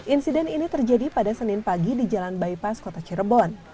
insiden ini terjadi pada senin pagi di jalan bypass kota cirebon